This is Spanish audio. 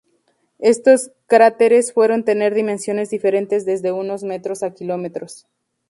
Estos cráteres pueden tener dimensiones diferentes desde unos metros a kilómetros.